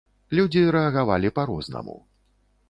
Людзі рэагавалі па рознаму.